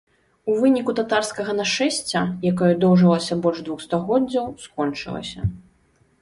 У выніку татарскага нашэсця, якое доўжылася больш двух стагоддзяў, скончылася.